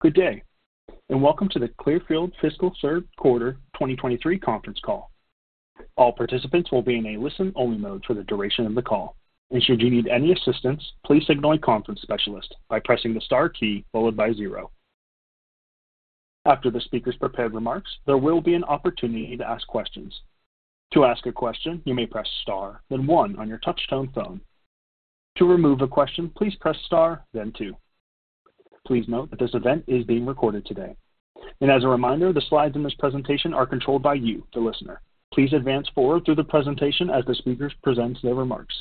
Good day, and welcome to the Clearfield Fiscal Third Quarter 2023 Conference Call. All participants will be in a listen-only mode for the duration of the call, and should you need any assistance, please signal a conference specialist by pressing the star key followed by zero. After the speaker's prepared remarks, there will be an opportunity to ask questions. To ask a question, you may press star, then one on your touchtone phone. To remove a question, please press star, then two. Please note that this event is being recorded today. As a reminder, the slides in this presentation are controlled by you, the listener. Please advance forward through the presentation as the speakers present their remarks.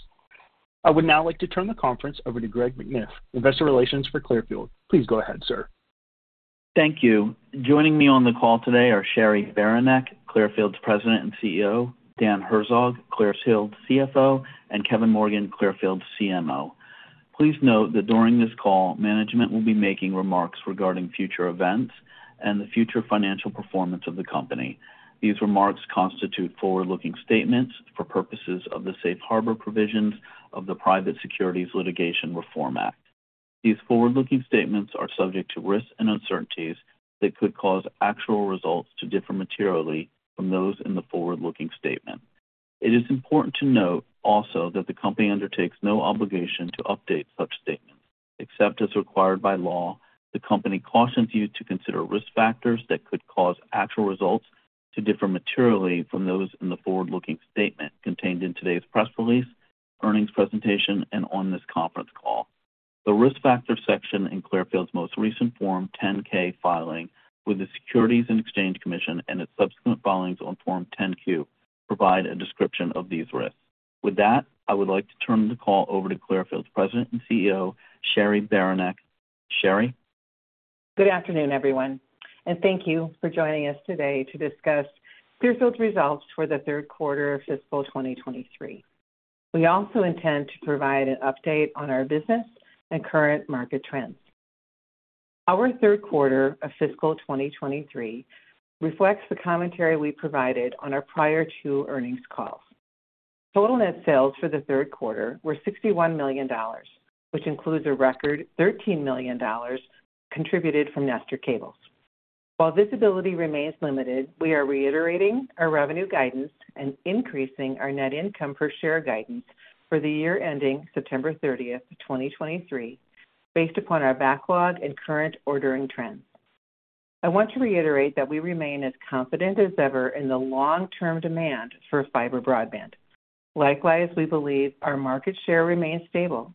I would now like to turn the conference over to Greg McNiff, Investor Relations for Clearfield. Please go ahead, sir. Thank you. Joining me on the call today are Cheri Beranek, Clearfield's President and CEO, Dan Herzog, Clearfield's CFO, and Kevin Morgan, Clearfield's CMO. Please note that during this call, management will be making remarks regarding future events and the future financial performance of the company. These remarks constitute forward-looking statements for purposes of the safe harbor provisions of the Private Securities Litigation Reform Act. These forward-looking statements are subject to risks and uncertainties that could cause actual results to differ materially from those in the forward-looking statement. It is important to note also that the company undertakes no obligation to update such statements. Except as required by law, the company cautions you to consider risk factors that could cause actual results to differ materially from those in the forward-looking statement contained in today's press release, earnings presentation, and on this conference call. The Risk Factors section in Clearfield's most recent Form 10-K filing with the Securities and Exchange Commission and its subsequent filings on Form 10-Q provide a description of these risks. With that, I would like to turn the call over to Clearfield's President and CEO, Cheri Beranek. Cheri? Good afternoon, everyone, thank you for joining us today to discuss Clearfield's results for the third quarter of fiscal 2023. We also intend to provide an update on our business and current market trends. Our third quarter of fiscal 2023 reflects the commentary we provided on our prior two earnings calls. Total net sales for the third quarter were $61 million, which includes a record $13 million contributed from Nestor Cables. While visibility remains limited, we are reiterating our revenue guidance and increasing our net income per share guidance for the year ending September 30th, 2023, based upon our backlog and current ordering trends. I want to reiterate that we remain as confident as ever in the long-term demand for fiber broadband. Likewise, we believe our market share remains stable.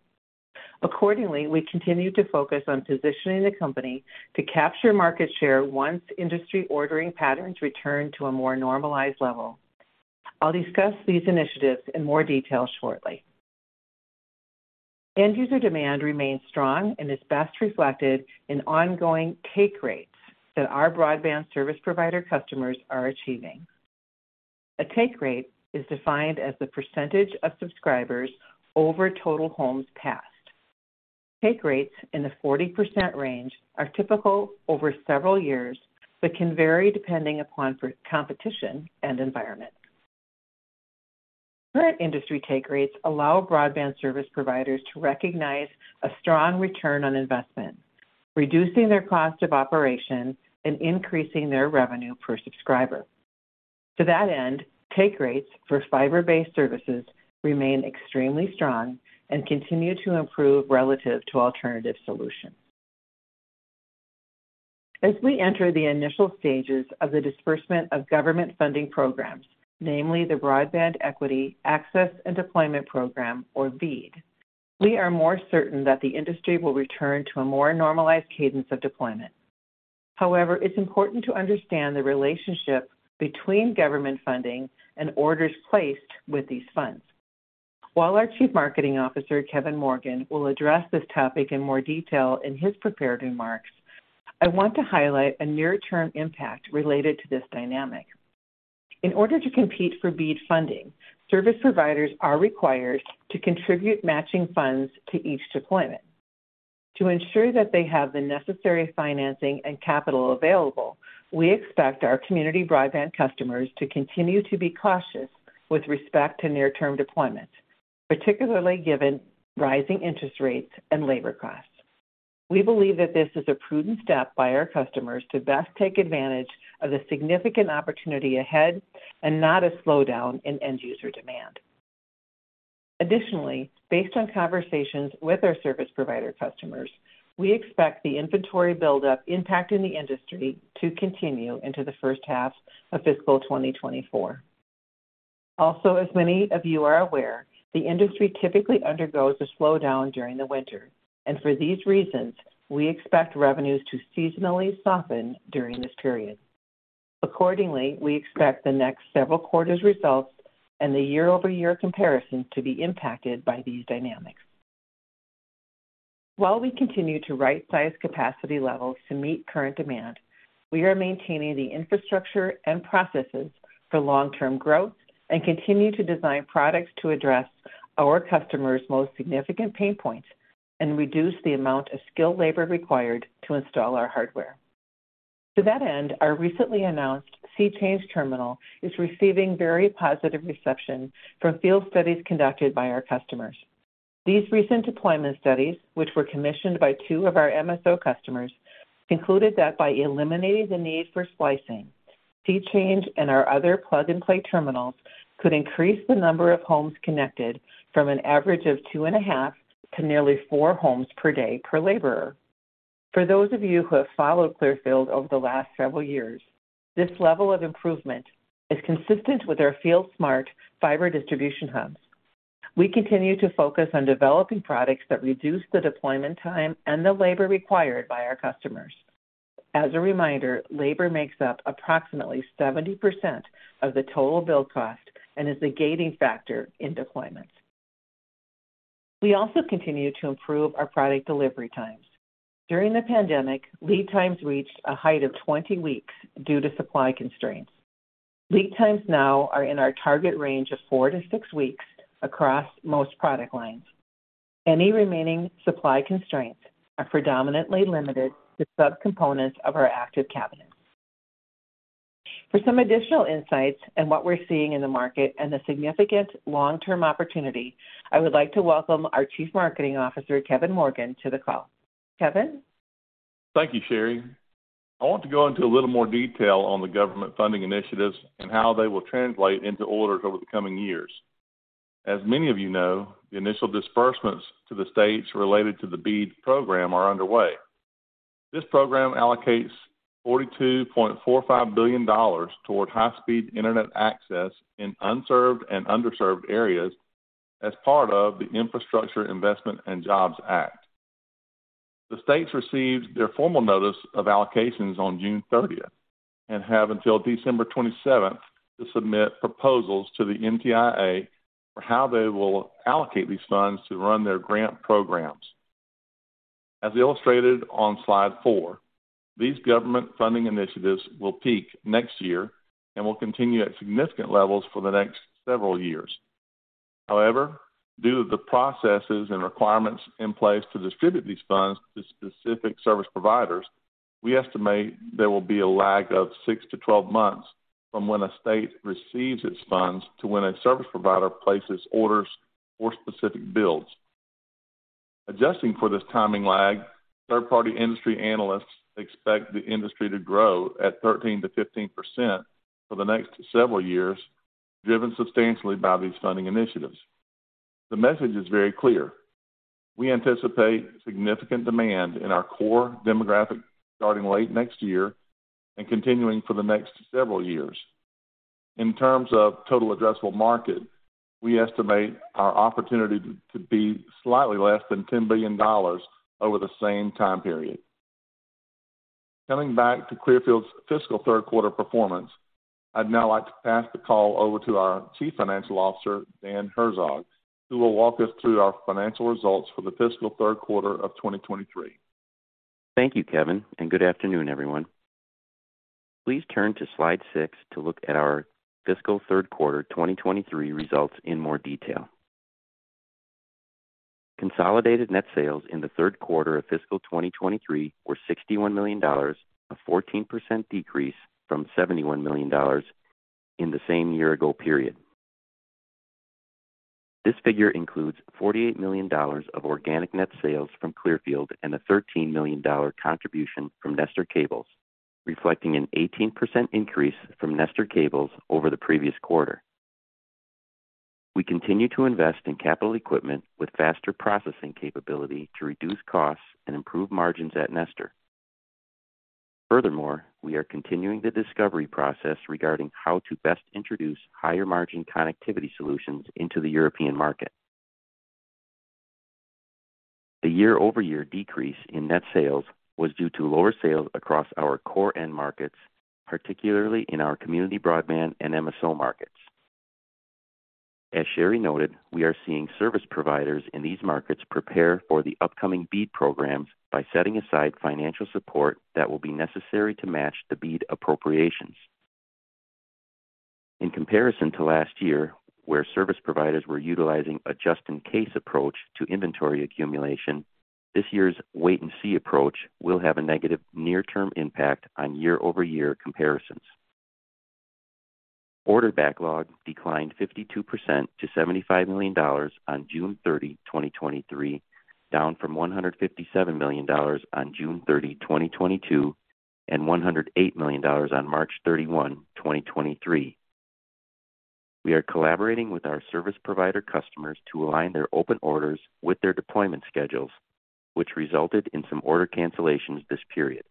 Accordingly, we continue to focus on positioning the company to capture market share once industry ordering patterns return to a more normalized level. I'll discuss these initiatives in more detail shortly. End-user demand remains strong and is best reflected in ongoing take rates that our broadband service provider customers are achieving. A take rate is defined as the percentage of subscribers over total homes passed. Take rates in the 40% range are typical over several years, but can vary depending upon competition and environment. Current industry take rates allow broadband service providers to recognize a strong return on investment, reducing their cost of operation and increasing their revenue per subscriber. To that end, take rates for fiber-based services remain extremely strong and continue to improve relative to alternative solutions. As we enter the initial stages of the disbursement of government funding programs, namely the Broadband Equity, Access, and Deployment program, or BEAD, we are more certain that the industry will return to a more normalized cadence of deployment. However, it's important to understand the relationship between government funding and orders placed with these funds. While our Chief Marketing Officer, Kevin Morgan, will address this topic in more detail in his prepared remarks, I want to highlight a near-term impact related to this dynamic. In order to compete for BEAD funding, service providers are required to contribute matching funds to each deployment. To ensure that they have the necessary financing and capital available, we expect our community broadband customers to continue to be cautious with respect to near-term deployments, particularly given rising interest rates and labor costs. We believe that this is a prudent step by our customers to best take advantage of the significant opportunity ahead and not a slowdown in end-user demand. Additionally, based on conversations with our service provider customers, we expect the inventory buildup impacting the industry to continue into the first half of fiscal 2024. As many of you are aware, the industry typically undergoes a slowdown during the winter, and for these reasons, we expect revenues to seasonally soften during this period. Accordingly, we expect the next several quarters' results and the year-over-year comparison to be impacted by these dynamics. While we continue to right-size capacity levels to meet current demand, we are maintaining the infrastructure and processes for long-term growth and continue to design products to address our customers' most significant pain points and reduce the amount of skilled labor required to install our hardware. To that end, our recently announced SeeChange Terminal is receiving very positive reception from field studies conducted by our customers. These recent deployment studies, which were commissioned by two of our MSO customers, concluded that by eliminating the need for splicing, SeeChange and our other plug-and-play terminals could increase the number of homes connected from an average of 2.5 to nearly four homes per day per laborer. For those of you who have followed Clearfield over the last several years, this level of improvement is consistent with our FieldSmart Fiber Distribution Hubs. We continue to focus on developing products that reduce the deployment time and the labor required by our customers. As a reminder, labor makes up approximately 70% of the total build cost and is the gating factor in deployment. We also continue to improve our product delivery times. During the pandemic, lead times reached a height of 20 weeks due to supply constraints. Lead times now are in our target range of four to six weeks across most product lines. Any remaining supply constraints are predominantly limited to subcomponents of our active cabinets. For some additional insights on what we're seeing in the market and the significant long-term opportunity, I would like to welcome our Chief Marketing Officer, Kevin Morgan, to the call. Kevin? Thank you, Cheri. I want to go into a little more detail on the government funding initiatives and how they will translate into orders over the coming years. As many of you know, the initial disbursements to the states related to the BEAD program are underway. This program allocates $42.45 billion toward high-speed internet access in unserved and underserved areas as part of the Infrastructure Investment and Jobs Act. The states received their formal notice of allocations on June 30 and have until December 27 to submit proposals to the NTIA for how they will allocate these funds to run their grant programs. As illustrated on slide four, these government funding initiatives will peak next year and will continue at significant levels for the next several years. However, due to the processes and requirements in place to distribute these funds to specific service providers, we estimate there will be a lag of 6-12 months from when a state receives its funds to when a service provider places orders for specific builds. Adjusting for this timing lag, third-party industry analysts expect the industry to grow at 13%-15% for the next several years, driven substantially by these funding initiatives. The message is very clear: We anticipate significant demand in our core demographic starting late next year and continuing for the next several years. In terms of total addressable market, we estimate our opportunity to be slightly less than $10 billion over the same time period. Coming back to Clearfield's fiscal 3rd quarter performance, I'd now like to pass the call over to our Chief Financial Officer, Dan Herzog, who will walk us through our financial results for the fiscal 3rd quarter of 2023. Thank you, Kevin, and good afternoon, everyone. Please turn to slide six to look at our fiscal third quarter 2023 results in more detail. Consolidated net sales in the third quarter of fiscal 2023 were $61 million, a 14% decrease from $71 million in the same year-ago period. This figure includes $48 million of organic net sales from Clearfield and a $13 million contribution from Nestor Cables, reflecting an 18% increase from Nestor Cables over the previous quarter. We continue to invest in capital equipment with faster processing capability to reduce costs and improve margins at Nestor. Furthermore, we are continuing the discovery process regarding how to best introduce higher-margin connectivity solutions into the European market. The year-over-year decrease in net sales was due to lower sales across our core end markets, particularly in our community broadband and MSO markets. As Cheri noted, we are seeing service providers in these markets prepare for the upcoming BEAD programs by setting aside financial support that will be necessary to match the BEAD appropriations. In comparison to last year, where service providers were utilizing a just-in-case approach to inventory accumulation, this year's wait-and-see approach will have a negative near term impact on year-over-year comparisons. Order backlog declined 52% to $75 million on June 30, 2023, down from $157 million on June 30, 2022, and $108 million on March 31, 2023. We are collaborating with our service provider customers to align their open orders with their deployment schedules, which resulted in some order cancellations this period.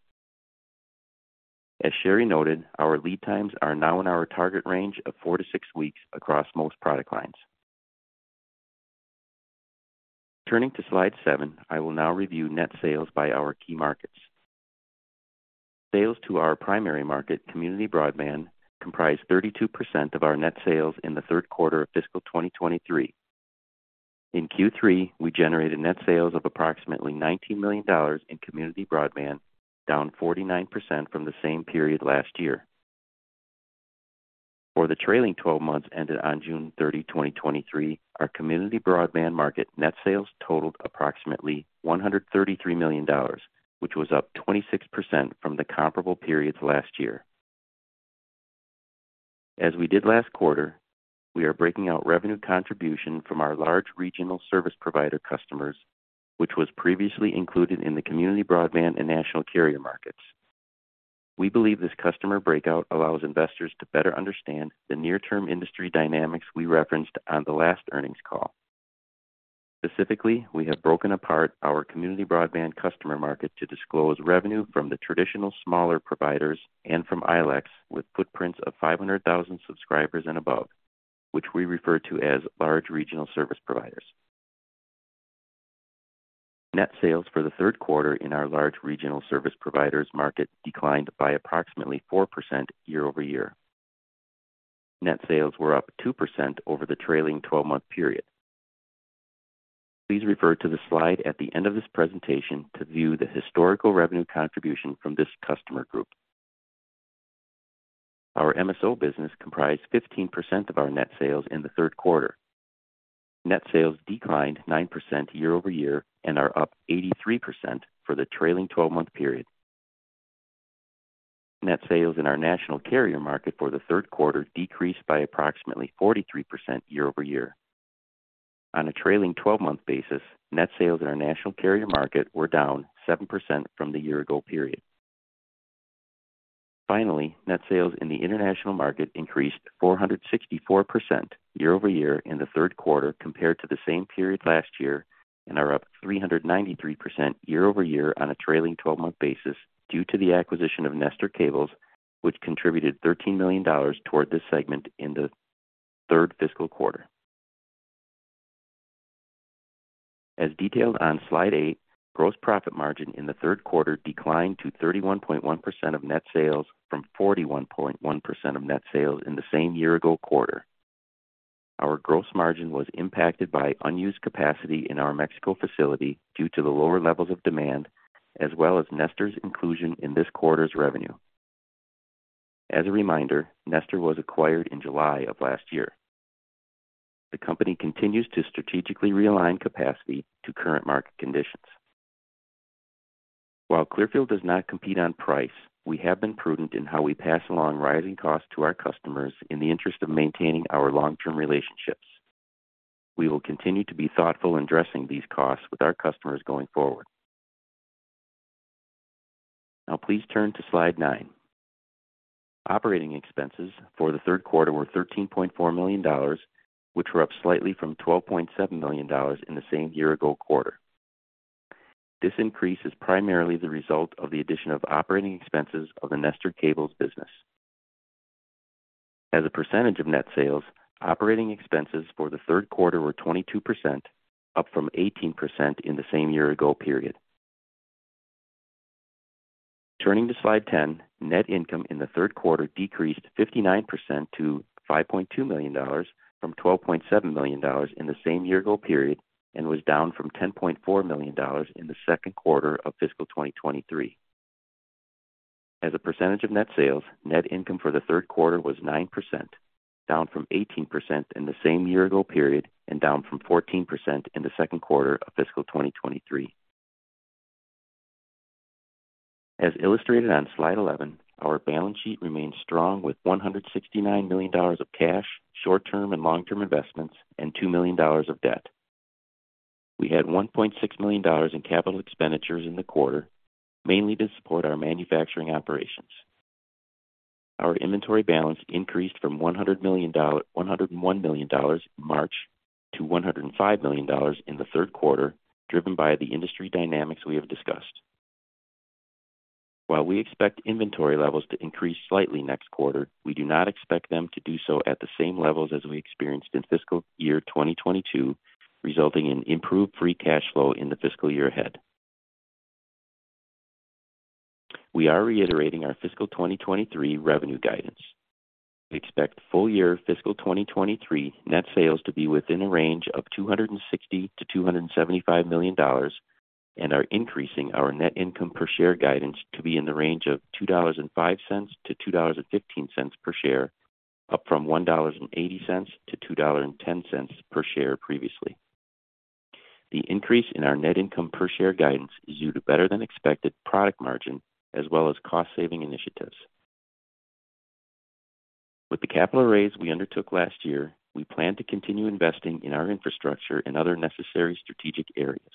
As Cheri noted, our lead times are now in our target range of 4-6 weeks across most product lines. Turning to slide seven, I will now review net sales by our key markets. Sales to our primary market, community broadband, comprised 32% of our net sales in the 3rd quarter of fiscal 2023. In Q3, we generated net sales of approximately $19 million in community broadband, down 49% from the same period last year. For the trailing 12 months ended on June 30, 2023, our community broadband market net sales totaled approximately $133 million, which was up 26% from the comparable periods last year. As we did last quarter, we are breaking out revenue contribution from our large regional service provider customers, which was previously included in the community broadband and national carrier markets. We believe this customer breakout allows investors to better understand the near-term industry dynamics we referenced on the last earnings call. Specifically, we have broken apart our community broadband customer market to disclose revenue from the traditional smaller providers and from ILEC, with footprints of 500,000 subscribers and above, which we refer to as large regional service providers. Net sales for the third quarter in our large regional service providers market declined by approximately 4% year-over-year. Net sales were up 2% over the trailing 12-month period. Please refer to the slide at the end of this presentation to view the historical revenue contribution from this customer group. Our MSO business comprised 15% of our net sales in the third quarter. Net sales declined 9% year-over-year and are up 83% for the trailing 12-month period. Net sales in our national carrier market for the third quarter decreased by approximately 43% year-over-year. On a trailing twelve-month basis, net sales in our national carrier market were down 7% from the year ago period. Finally, net sales in the international market increased 464% year-over-year in the third quarter compared to the same period last year, and are up 393% year-over-year on a trailing 12-month basis, due to the acquisition of Nestor Cables, which contributed $13 million toward this segment in the third fiscal quarter. As detailed on slide eight, gross profit margin in the third quarter declined to 31.1% of net sales from 41.1% of net sales in the same year ago quarter. Our gross margin was impacted by unused capacity in our Mexico facility due to the lower levels of demand, as well as Nestor's inclusion in this quarter's revenue. As a reminder, Nestor was acquired in July of last year. The company continues to strategically realign capacity to current market conditions. While Clearfield does not compete on price, we have been prudent in how we pass along rising costs to our customers in the interest of maintaining our long-term relationships. We will continue to be thoughtful in addressing these costs with our customers going forward. Now, please turn to slide nine. Operating expenses for the third quarter were $13.4 million, which were up slightly from $12.7 million in the same year-ago quarter. This increase is primarily the result of the addition of operating expenses of the Nestor Cables business. As a percentage of net sales, operating expenses for the third quarter were 22%, up from 18% in the same year-ago period. Turning to slide 10, net income in the third quarter decreased 59% to $5.2 million, from $12.7 million in the same year-ago period, and was down from $10.4 million in the second quarter of fiscal 2023. As a percentage of net sales, net income for the third quarter was 9%, down from 18% in the same year-ago period and down from 14% in the second quarter of fiscal 2023. As illustrated on slide 11, our balance sheet remains strong with $169 million of cash, short-term and long-term investments, and $2 million of debt. We had $1.6 million in capital expenditures in the quarter, mainly to support our manufacturing operations. Our inventory balance increased from $101 million in March to $105 million in the third quarter, driven by the industry dynamics we have discussed. While we expect inventory levels to increase slightly next quarter, we do not expect them to do so at the same levels as we experienced in fiscal year 2022, resulting in improved free cash flow in the fiscal year ahead. We are reiterating our fiscal 2023 revenue guidance. We expect full year fiscal 2023 net sales to be within a range of $260 million-$275 million, and are increasing our net income per share guidance to be in the range of $2.05-$2.15 per share, up from $1.80-$2.10 per share previously. The increase in our net income per share guidance is due to better than expected product margin, as well as cost saving initiatives. With the capital raise we undertook last year, we plan to continue investing in our infrastructure in other necessary strategic areas.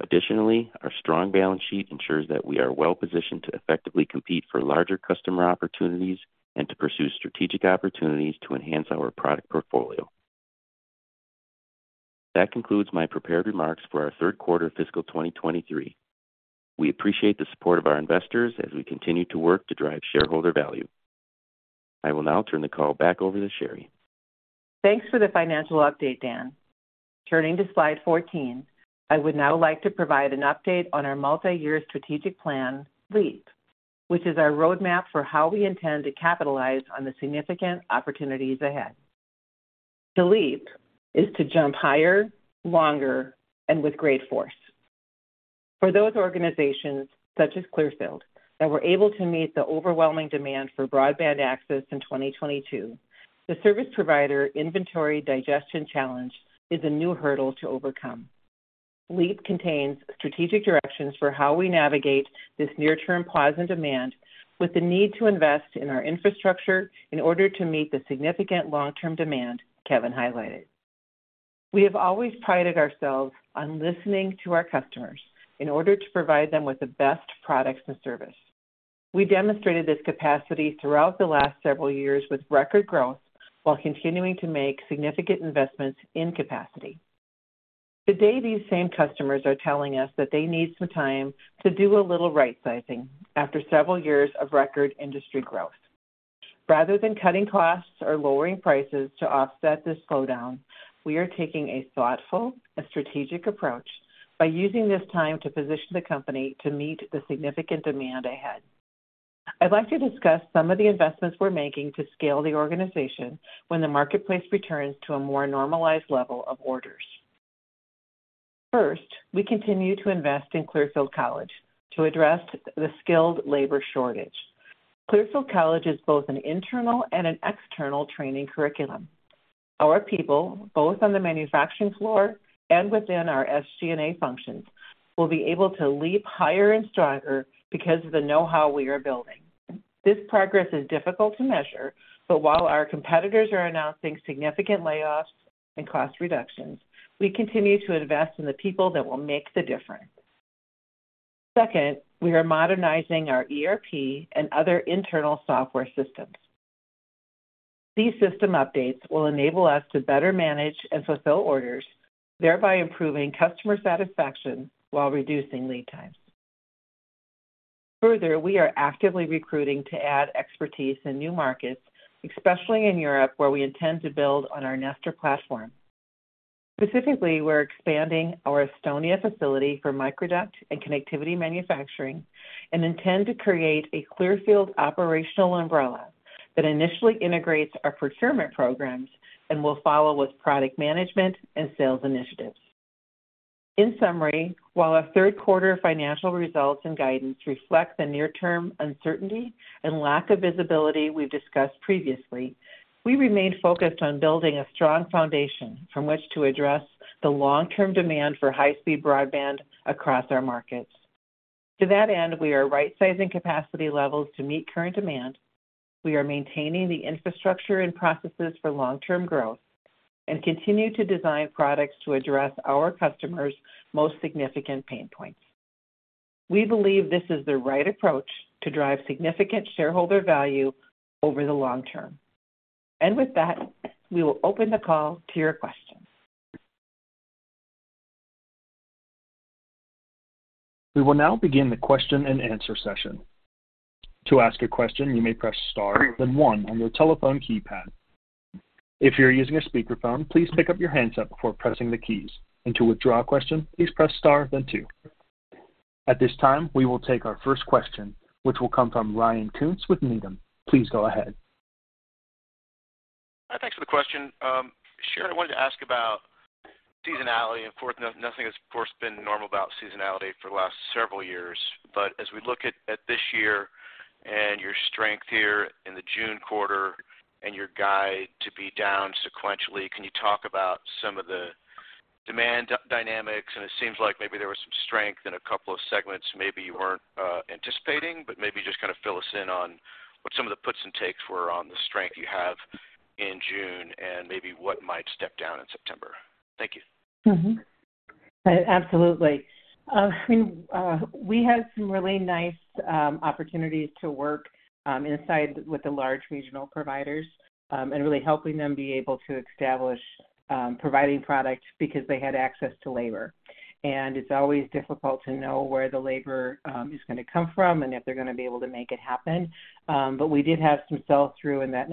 Additionally, our strong balance sheet ensures that we are well positioned to effectively compete for larger customer opportunities and to pursue strategic opportunities to enhance our product portfolio. That concludes my prepared remarks for our third quarter fiscal 2023. We appreciate the support of our investors as we continue to work to drive shareholder value. I will now turn the call back over to Cheri. Thanks for the financial update, Dan. Turning to slide 14, I would now like to provide an update on our multi-year strategic plan, LEAP, which is our roadmap for how we intend to capitalize on the significant opportunities ahead. To leap is to jump higher, longer, and with great force. For those organizations, such as Clearfield, that were able to meet the overwhelming demand for broadband access in 2022, the service provider inventory digestion challenge is a new hurdle to overcome. LEAP contains strategic directions for how we navigate this near-term explosive demand, with the need to invest in our infrastructure in order to meet the significant long-term demand Kevin highlighted. We have always prided ourselves on listening to our customers in order to provide them with the best products and service. We demonstrated this capacity throughout the last several years with record growth, while continuing to make significant investments in capacity. Today, these same customers are telling us that they need some time to do a little right-sizing after several years of record industry growth. Rather than cutting costs or lowering prices to offset this slowdown, we are taking a thoughtful and strategic approach by using this time to position the company to meet the significant demand ahead. I'd like to discuss some of the investments we're making to scale the organization when the marketplace returns to a more normalized level of orders. First, we continue to invest in Clearfield College to address the skilled labor shortage. Clearfield College is both an internal and an external training curriculum. Our people, both on the manufacturing floor and within our SG&A functions, will be able to leap higher and stronger because of the know-how we are building. This progress is difficult to measure, but while our competitors are announcing significant layoffs and cost reductions, we continue to invest in the people that will make the difference. Second, we are modernizing our ERP and other internal software systems. These system updates will enable us to better manage and fulfill orders, thereby improving customer satisfaction while reducing lead times. Further, we are actively recruiting to add expertise in new markets, especially in Europe, where we intend to build on our Nestor platform. Specifically, we're expanding our Estonia facility for microduct and connectivity manufacturing and intend to create a Clearfield operational umbrella that initially integrates our procurement programs and will follow with product management and sales initiatives. In summary, while our third quarter financial results and guidance reflect the near-term uncertainty and lack of visibility we've discussed previously, we remain focused on building a strong foundation from which to address the long-term demand for high-speed broadband across our markets. To that end, we are right-sizing capacity levels to meet current demand. We are maintaining the infrastructure and processes for long-term growth and continue to design products to address our customers' most significant pain points. We believe this is the right approach to drive significant shareholder value over the long term. With that, we will open the call to your questions. We will now begin the question and answer session. To ask a question, you may press star, then one on your telephone keypad. If you're using a speakerphone, please pick up your handset before pressing the keys, and to withdraw a question, please press star, then two. At this time, we will take our first question, which will come from Ryan Koontz with Needham. Please go ahead. Hi, thanks for the question. Cheri, I wanted to ask about seasonality. Of course, nothing has, of course, been normal about seasonality for the last several years. As we look at, at this year and your strength here in the June quarter and your guide to be down sequentially, can you talk about some of the demand dynamics? It seems like maybe there was some strength in a couple of segments, maybe you weren't anticipating, but maybe just kind of fill us in on what some of the puts and takes were on the strength you have in June and maybe what might step down in September. Thank you. Absolutely. I mean, we had some really nice opportunities to work inside with the large regional service providers and really helping them be able to establish providing products because they had access to labor. It's always difficult to know where the labor is going to come from and if they're going to be able to make it happen. But we did have some sell-through in that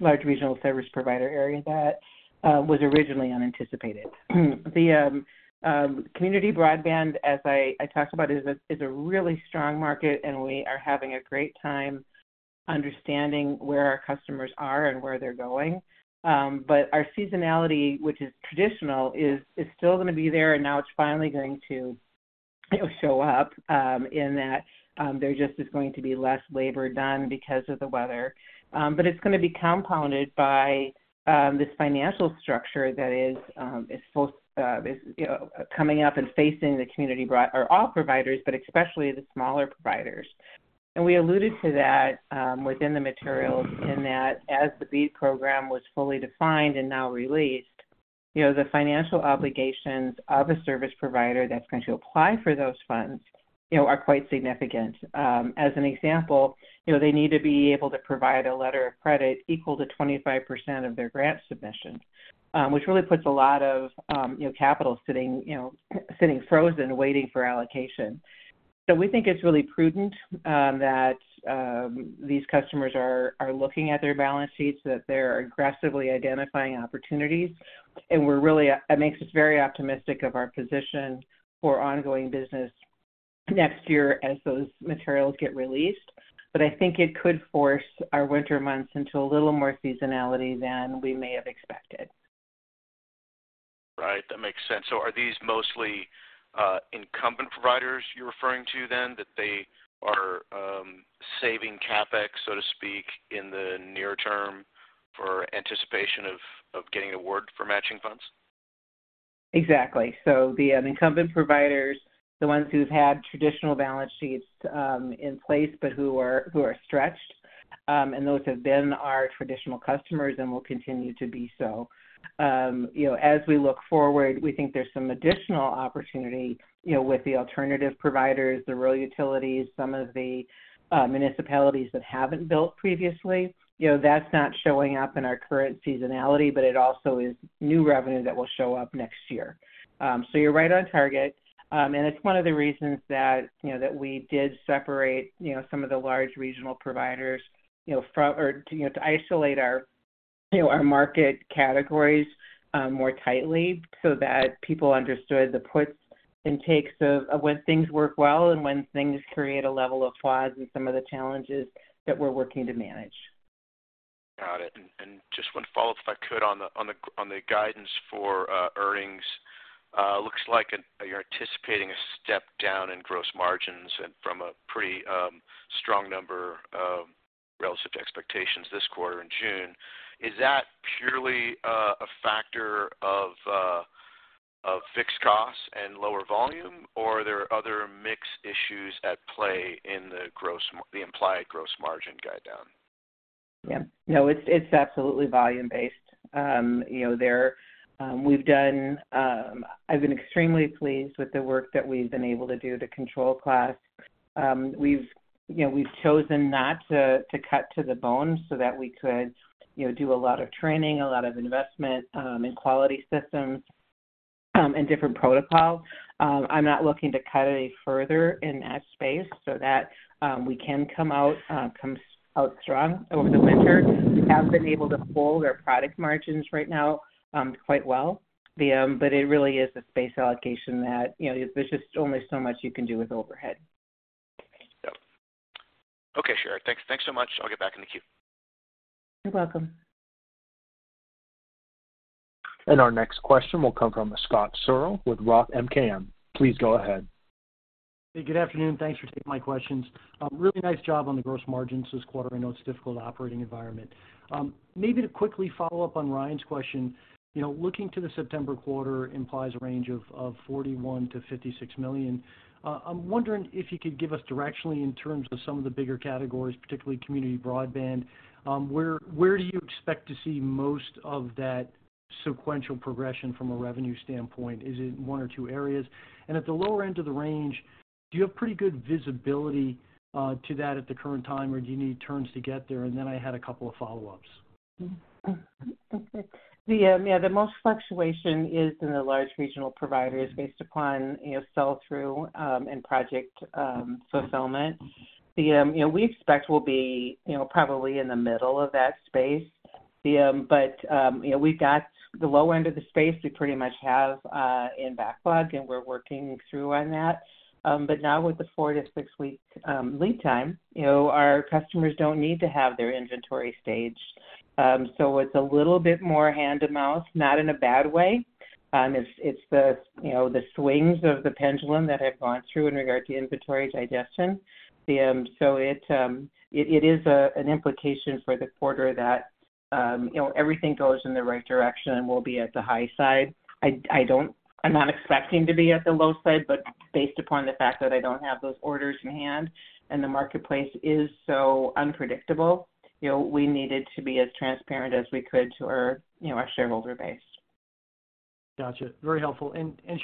large regional service provider area that was originally unanticipated. The community broadband, as I, I talked about, is a, is a really strong market, and we are having a great time understanding where our customers are and where they're going. Our seasonality, which is traditional, is, is still going to be there, and now it's finally going to show up, in that, there just is going to be less labor done because of the weather. It's going to be compounded by, this financial structure that is, is both, you know, coming up and facing the community broadband, or all providers, but especially the smaller providers. We alluded to that, within the materials, in that as the BEAD program was fully defined and now released, you know, the financial obligations of a service provider that's going to apply for those funds, you know, are quite significant. As an example, you know, they need to be able to provide a letter of credit equal to 25% of their grant submission, which really puts a lot of capital sitting, sitting frozen, waiting for allocation. We think it's really prudent that these customers are looking at their balance sheets, that they're aggressively identifying opportunities, and we're really, it makes us very optimistic of our position for ongoing business. Next year as those materials get released. I think it could force our winter months into a little more seasonality than we may have expected. Right. That makes sense. Are these mostly, incumbent providers you're referring to then, that they are, saving CapEx, so to speak, in the near term for anticipation of, of getting award for matching funds? Exactly. The incumbent providers, the ones who's had traditional balance sheets in place, but who are, who are stretched, and those have been our traditional customers and will continue to be so. You know, as we look forward, we think there's some additional opportunity, you know, with the alternative providers, the rural utilities, some of the municipalities that haven't built previously. You know, that's not showing up in our current seasonality, but it also is new revenue that will show up next year. You're right on target. It's one of the reasons that, you know, that we did separate, you know, some of the large regional service providers, you know, from or, you know, to isolate our, you know, our market categories more tightly so that people understood the puts and takes of, of when things work well and when things create a level of flaws and some of the challenges that we're working to manage. Got it. Just one follow-up, if I could, on the, on the, on the guidance for earnings. Looks like you're anticipating a step down in gross margins and from a pretty strong number of relative to expectations this quarter in June. Is that purely a factor of fixed costs and lower volume, or are there other mix issues at play in the implied gross margin guide down? Yeah. No, it's, it's absolutely volume-based. You know, there, we've done. I've been extremely pleased with the work that we've been able to do to control costs. We've, you know, we've chosen not to, to cut to the bone so that we could, you know, do a lot of training, a lot of investment, in quality systems, and different protocols. I'm not looking to cut any further in that space so that we can come out, come out strong over the winter. We have been able to hold our product margins right now, quite well. It really is a space allocation that, you know, there's just only so much you can do with overhead. Okay, sure. Thanks. Thanks so much. I'll get back in the queue. You're welcome. Our next question will come from Scott Searle with Roth MKM. Please go ahead. Hey, good afternoon. Thanks for taking my questions. Really nice job on the gross margins this quarter. I know it's a difficult operating environment. Maybe to quickly follow up on Ryan's question, you know, looking to the September quarter implies a range of $41 million-$56 million. I'm wondering if you could give us directionally in terms of some of the bigger categories, particularly community broadband, where, where do you expect to see most of that sequential progression from a revenue standpoint? Is it one or two areas? At the lower end of the range, do you have pretty good visibility to that at the current time, or do you need terms to get there? Then I had a couple of follow-ups. The, yeah, the most fluctuation is in the large regional providers based upon, you know, sell-through and project fulfillment. The, you know, we expect we'll be, you know, probably in the middle of that space. The, you know, we've got the lower end of the space, we pretty much have in backlog, and we're working through on that. Now with the 4-6 week lead time, you know, our customers don't need to have their inventory staged. It's a little bit more hand-to-mouth, not in a bad way. It's, it's the, you know, the swings of the pendulum that have gone through in regard to inventory digestion. It, it, it is an implication for the quarter that, you know, everything goes in the right direction and we'll be at the high side. I'm not expecting to be at the low side, based upon the fact that I don't have those orders in hand and the marketplace is so unpredictable, you know, we needed to be as transparent as we could to our, you know, our shareholder base. Gotcha. Very helpful.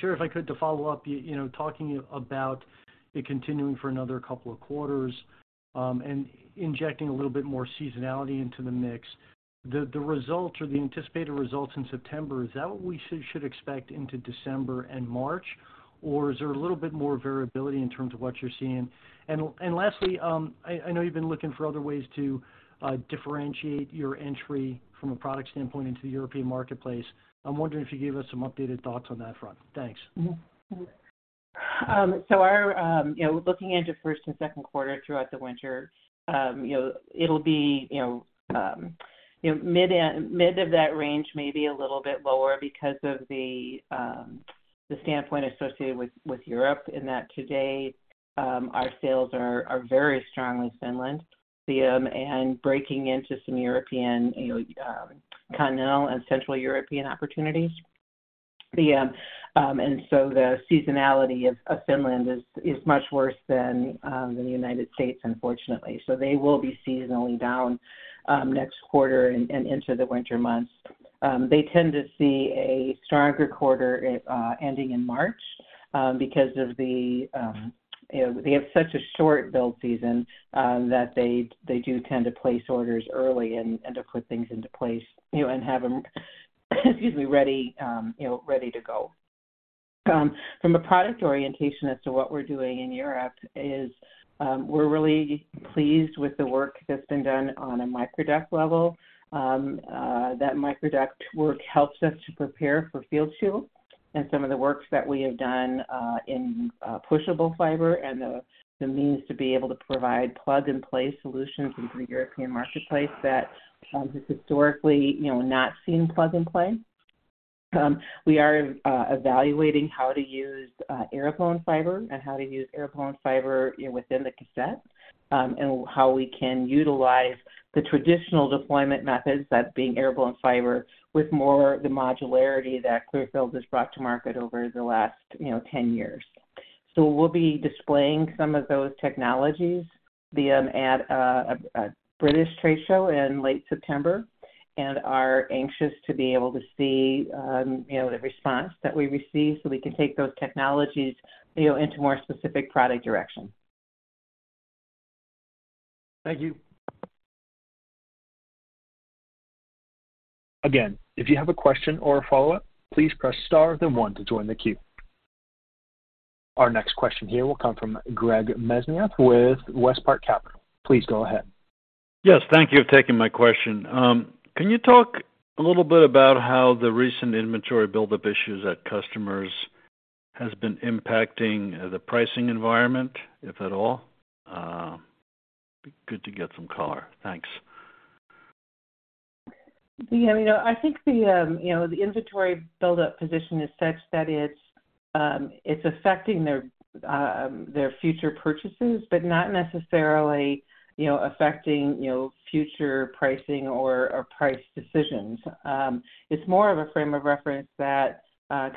Cheri, if I could, to follow up, you know, talking about it continuing for another couple of quarters, and injecting a little bit more seasonality into the mix. The results or the anticipated results in September, is that what we should expect into December and March, or is there a little bit more variability in terms of what you're seeing? Lastly, I know you've been looking for other ways to differentiate your entry from a product standpoint into the European marketplace. I'm wondering if you could give us some updated thoughts on that front. Thanks. Mm-hmm. Our, you know, looking into first and second quarter throughout the winter, you know, it'll be, you know, you know, mid, mid of that range, maybe a little bit lower because of the standpoint associated with, with Europe, in that today, our sales are, are very strong with Finland, and breaking into some European, you know, continental and Central European opportunities. The seasonality of, of Finland is, is much worse than the United States, unfortunately. They will be seasonally down next quarter and, and into the winter months. They tend to see a stronger quarter ending in March because of the, you know, they have such a short build season that they, they do tend to place orders early and, and to put things into place, you know, and have them, excuse me, ready, you know, ready to go. From a product orientation as to what we're doing in Europe is, we're really pleased with the work that's been done on a microduct level. That microduct work helps us to prepare for FieldShield. Some of the works that we have done in pushable fiber and the means to be able to provide plug-and-play solutions into the European marketplace that has historically, you know, not seen plug-and-play. We are evaluating how to use air blown fiber and how to use air blown fiber, you know, within the cassette, and how we can utilize the traditional deployment methods, that being air blown fiber, with more the modularity that Clearfield has brought to market over the last, you know, 10 years. We'll be displaying some of those technologies, the, at a British trade show in late September, and are anxious to be able to see, you know, the response that we receive so we can take those technologies, you know, into more specific product direction. Thank you. Again, if you have a question or a follow-up, please press Star then one to join the queue. Our next question here will come from Gregory Mesniaeff with WestPark Capital. Please go ahead. Yes, thank you for taking my question. Can you talk a little bit about how the recent inventory buildup issues at customers has been impacting the pricing environment, if at all? Good to get some color. Thanks. Yeah, you know, I think the, you know, the inventory buildup position is such that it's, it's affecting their, their future purchases, but not necessarily, you know, affecting, you know, future pricing or, or price decisions. It's more of a frame of reference that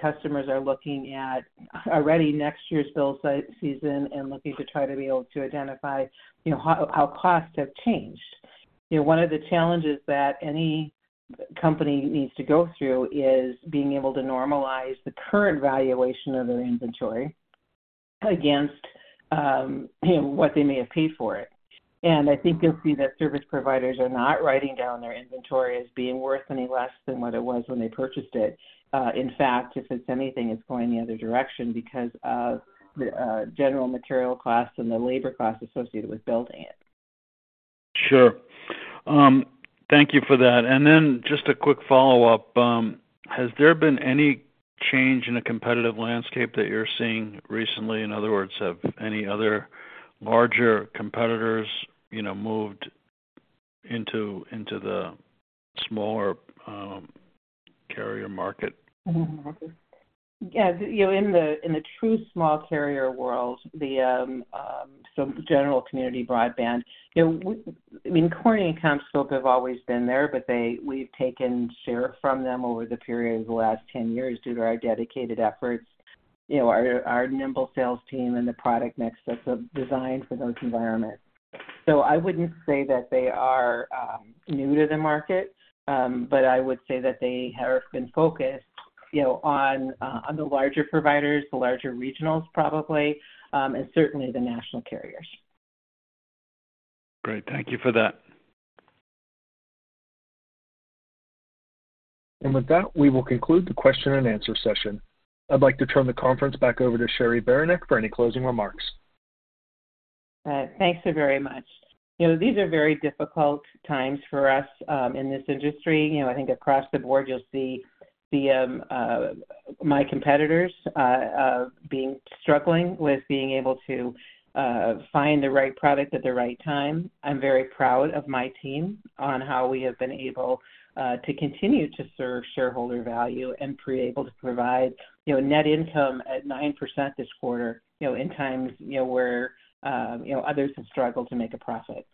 customers are looking at already next year's build site season and looking to try to be able to identify, you know, how, how costs have changed. You know, one of the challenges that any company needs to go through is being able to normalize the current valuation of their inventory against, you know, what they may have paid for it. I think you'll see that service providers are not writing down their inventory as being worth any less than what it was when they purchased it. In fact, if it's anything, it's going the other direction because of the general material costs and the labor costs associated with building it. Sure. Thank you for that. Just a quick follow-up. Has there been any change in the competitive landscape that you're seeing recently? In other words, have any other larger competitors, you know, moved into the smaller, carrier market? Yeah. You know, in the, in the true small carrier world, the general community broadband, you know, I mean, Corning and CommScope have always been there, but we've taken share from them over the period of the last 10 years due to our dedicated efforts, you know, our, our nimble sales team and the product mix that's designed for those environments. I wouldn't say that they are new to the market, but I would say that they have been focused, you know, on the larger providers, the larger regionals, probably, and certainly the national carriers. Great. Thank you for that. With that, we will conclude the question and answer session. I'd like to turn the conference back over to Cheri Beranek for any closing remarks. Thanks so very much. You know, these are very difficult times for us, in this industry. You know, I think across the board you'll see the, my competitors, being struggling with being able to find the right product at the right time. I'm very proud of my team on how we have been able to continue to serve shareholder value and be able to provide, you know, net income at 9% this quarter, you know, in times, you know, where, others have struggled to make a profit.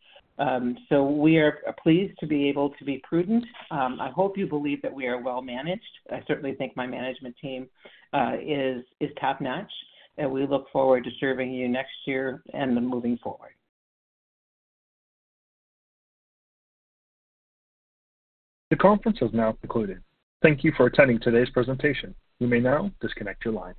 We are pleased to be able to be prudent. I hope you believe that we are well managed. I certainly think my management team is, is top-notch, and we look forward to serving you next year and then moving forward. The conference is now concluded. Thank you for attending today's presentation. You may now disconnect your line.